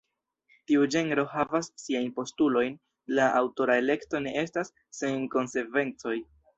Tiu ĝenro havas siajn postulojn: la aŭtora elekto ne estas sen konsekvencoj.